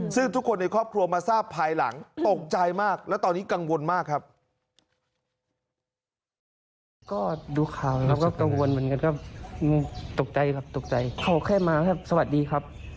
ซึ่งทุกคนในครอบครัวมาทราบภายหลังตกใจมากและตอนนี้กังวลมากครับ